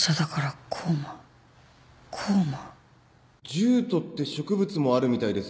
ジュートって植物もあるみたいです